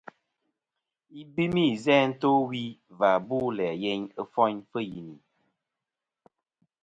Ibɨmi izæ to wi và bu læ yeyn ɨfoyn fɨ yini.